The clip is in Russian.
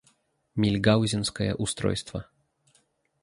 Мильгаузенское устройство.